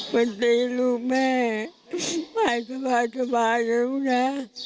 ปกติลูกแม่หายสบายสบายแล้วนะ